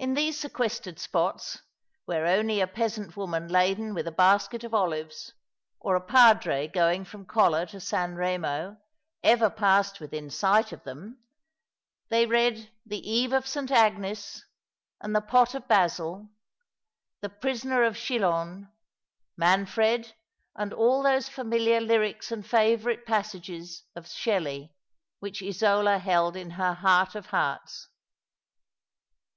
2 28 All alonr the River, tt In these sequestered spots, where only a peasant woman laden with, a basket of olives, or a padre, going from Colla to San Eemo, ever passed within sight of them, they read the Eve of St. Agnes and the Pot of Basil —the Prisoner of Chillon, Manfred, and all those familiar lyrics and favourite passages of Shelley which Isola held in her heart of hearts.